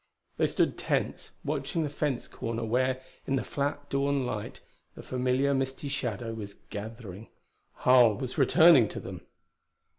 They stood tense, watching the fence corner where, in the flat dawn light, the familiar misty shadow was gathering. Harl was returning to them.